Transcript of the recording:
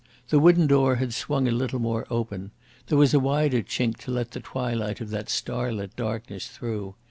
The wooden door had swung a little more open. There was a wider chink to let the twilight of that starlit darkness through.